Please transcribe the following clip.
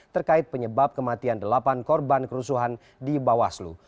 terkait penyebab kematian delapan korban kerusuhan di bawaslu